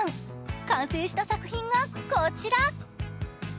完成した作品が、こちら。